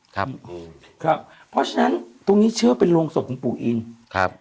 ครับเพราะฉะนั้นตรงนี้เชื่อว่าเป็นโรงศพของปู่อินครับ